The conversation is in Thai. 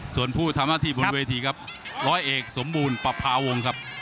ส่วนผู้ทำหน้าที่บนเวทีครับร้อยเอกสมบูรณ์ประพาวงครับ